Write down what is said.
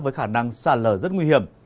với khả năng xả lở rất nguy hiểm